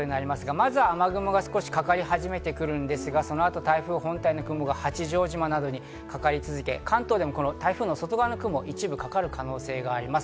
まず雨雲が少しかかり始めてくるんですが、その後、台風本体の雲が八丈島などにかかり続け、関東でも台風の外側の雲が一部かかる可能性があります。